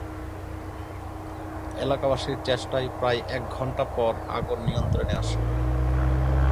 এলাকাবাসীর চেষ্টায় প্রায় এক ঘণ্টা পর আগুন নিয়ন্ত্রণে আসে।